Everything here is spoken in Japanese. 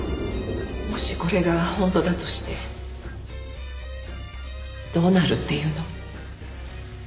もしこれが本当だとしてどうなるっていうの？